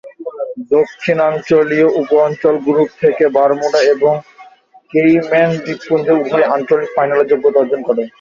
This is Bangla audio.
দক্ষিণাঞ্চলীয় উপ-অঞ্চল গ্রুপ থেকে বারমুডা এবং কেইম্যান দ্বীপপুঞ্জ উভয়েই আঞ্চলিক ফাইনালের যোগ্যতা অর্জন করে।